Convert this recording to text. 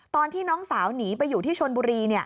ตอนที่น้องสาวหนีไปอยู่ที่ชนบุรี